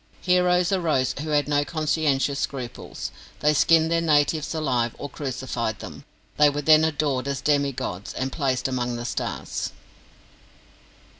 Heroes arose who had no conscientious scruples. They skinned their natives alive, or crucified them. They were then adored as demi gods, and placed among the stars.